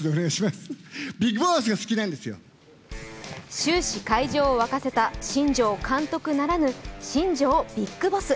終始会場を沸かせた新庄監督ならぬ新庄ビッグボス。